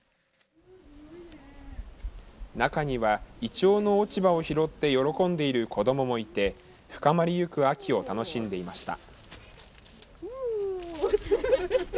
中には、いちょうの落ち葉を拾って喜んでいる子どももいて深まりゆく秋を楽しんでいました。